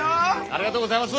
ありがとうございます！